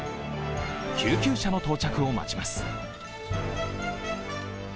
救急車の到着を待ちます。